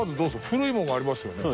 古いものがありますよね？